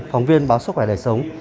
phóng viên báo sức khỏe đời sống